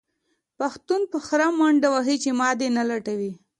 پښتون په خر منډې وهې چې ما دې نه لټوي.